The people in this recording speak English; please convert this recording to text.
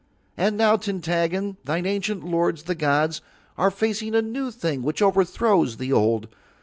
And now, Tintaggon, thine ancient lords, the gods, are facing a new thing which overthrows the old.